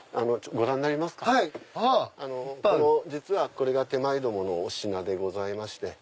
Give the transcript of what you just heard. これが手前どものお品でございまして。